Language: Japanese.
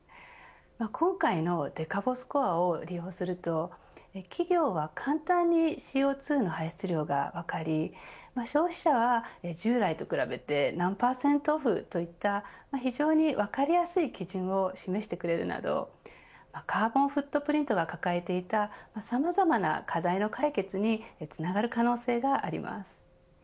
今回のデカボスコアを利用すると企業は簡単にＣＯ２の排出量が分かり消費者は従来と比べて何％オフといった非常に分かりやすい基準を示してくれるなどカーボンフットプリントが抱えていたさまざまな課題の解決につながる可能性があります。